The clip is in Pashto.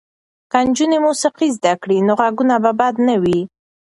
که نجونې موسیقي زده کړي نو غږونه به بد نه وي.